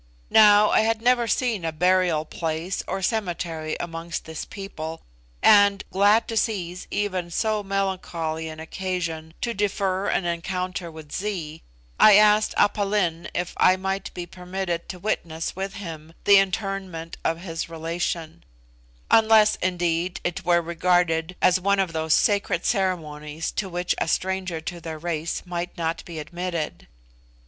Now, I had never seen a burial place or cemetery amongst this people, and, glad to seize even so melancholy an occasion to defer an encounter with Zee, I asked Aph Lin if I might be permitted to witness with him the interment of his relation; unless, indeed, it were regarded as one of those sacred ceremonies to which a stranger to their race might not be admitted.